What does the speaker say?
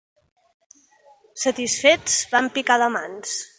Satisfets, van picar de mans.